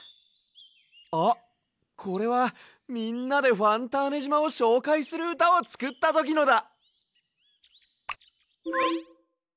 あっこれはみんなでファンターネじまをしょうかいするうたをつくったときのだ！